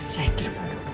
sayang duduk dulu